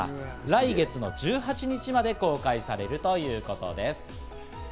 来月の１８日まで公開されるということです。